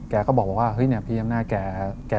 แกก็บอกว่าพี่ย้ำหน้าแก